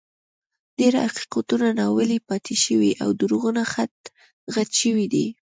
ډېر حقیقتونه ناویلي پاتې شوي او دروغونه غټ شوي دي.